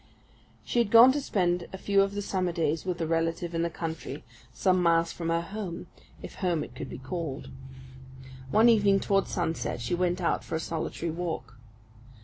She had gone to spend a few of the summer days with a relative in the country, some miles from her home, if home it could be called. One evening, towards sunset, she went out for a solitary walk.